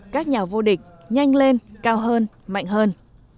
các nhà vô địch nhanh lên cao hơn mạnh hơn